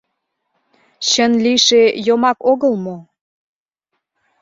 Чын лийше йомак огыл мо?